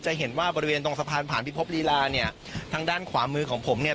จะเห็นว่าบริเวณตรงสะพานผ่านพิภพลีลาเนี่ยทางด้านขวามือของผมเนี่ย